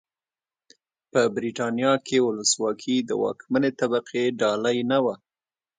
په برېټانیا کې ولسواکي د واکمنې طبقې ډالۍ نه وه.